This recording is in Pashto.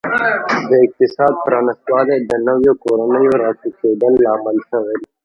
د اقتصاد پرانیستوالی د نویو کورنیو راټوکېدل لامل شول.